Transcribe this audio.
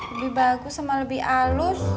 lebih bagus sama lebih halus